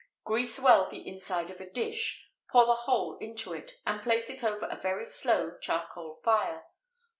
Grease well the inside of a dish, pour the whole into it, and place it over a very slow charcoal fire.